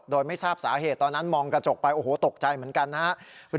โดยไม่ทราบสาเหตุตอนนั้นมองกระจกไปโอ้โหตกใจเหมือนกันนะครับ